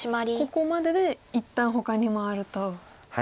ここまでで一旦ほかに回ると。